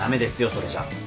それじゃ。